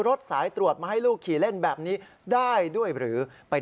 รถสายตรวจให้ลูกกี่มาผมดีนะ